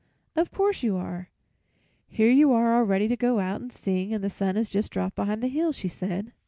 "Of course you are. Here you are all ready to go out and sing and the sun has just dropped behind the hill," she said.